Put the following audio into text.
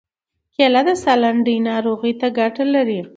کېله د ساه لنډۍ ناروغۍ ته ګټه لري.